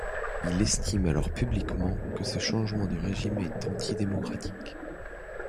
Il estime alors publiquement que ce changement de régime est antidémocratique.